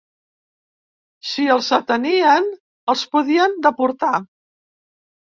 Si els detenien, els podien deportar